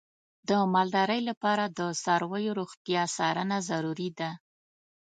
د مالدارۍ لپاره د څارویو روغتیا څارنه ضروري ده.